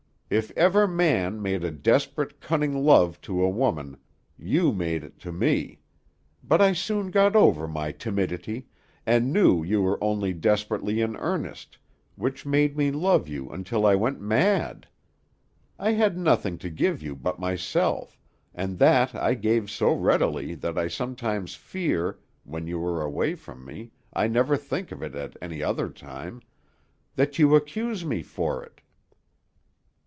If ever man made a desperate, cunning love to a woman, you made it to me; but I soon got over my timidity, and knew you were only desperately in earnest, which made me love you until I went mad. I had nothing to give you but myself, and that I gave so readily that I sometimes fear when you are away from me; I never think of it at any other time that you accuse me for it."